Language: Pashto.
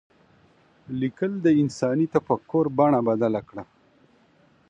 لیکل د انساني تفکر بڼه بدله کړه.